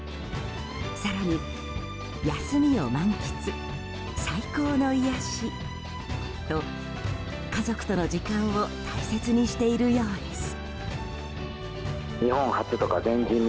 更に、休みを満喫最高の癒やしと家族との時間を大切にしているようです。